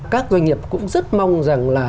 các doanh nghiệp cũng rất mong rằng là